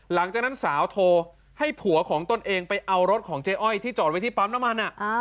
หลังจากนั้นสาวโทรให้ผัวของตนเองไปเอารถของเจ๊อ้อยที่จอดไว้ที่ปั๊มน้ำมัน